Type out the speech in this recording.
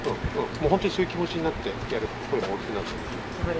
もう本当にそういう気持ちになってやれば声も大きくなると思うから。